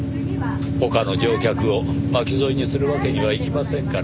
他の乗客を巻き添えにするわけにはいきませんから。